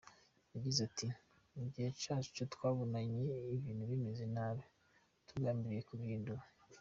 Yagize ati : “Mu gihe cyacu twabonye ibintu bimeze nabi tugambirira kubihindura.